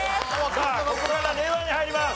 さあここから令和に入ります。